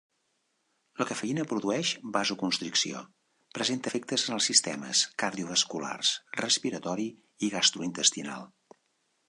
La cafeïna produeix vasoconstricció; presenta efectes en els sistemes cardiovasculars, respiratori i gastrointestinal.